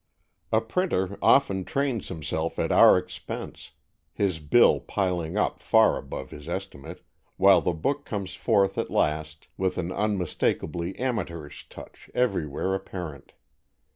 A printer often trains himself at our expense, his bill piling up far above his estimate, while the book comes forth at last with an unmistakably amateurish touch everywhere apparent.